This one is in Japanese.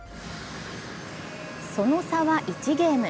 その差は１ゲーム。